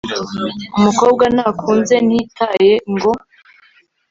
umukobwa nakunze ntitaye ngo